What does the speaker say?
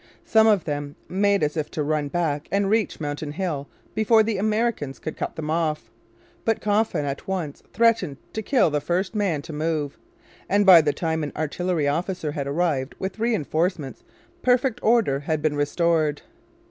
Some of them made as if to run back and reach Mountain Hill before the Americans could cut them off. But Coffin at once threatened to kill the first man to move; and by the time an artillery officer had arrived with reinforcements perfect order had been restored.